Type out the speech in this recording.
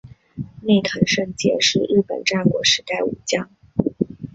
内藤胜介是日本战国时代武将。